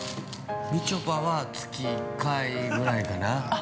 ◆みちょぱは、月１回ぐらいかな。